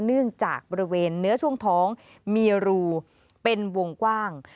เนื่องจากบริเวณเนื้อช่วงท้องมีรูเป็นวงกว้าง